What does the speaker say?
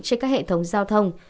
trên các hệ thống giao thông